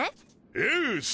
よし！